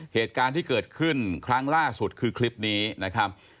เหตุการณ์ที่เกิดขึ้นครั้งล่าสุดคือคลิปนี้นะครับ